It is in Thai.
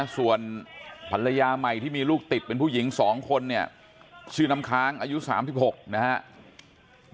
ส่วนภรรยาใหม่ที่มีลูกติดเป็นผู้หญิง๒คนเนี่ยชื่อน้ำค้างอายุ๓๖นะครับ